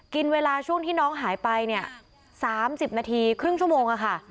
กินเวลาช่วงที่น้องหายไปเนี่ย๓๐นาทีครึ่งชั่วโมงค่ะ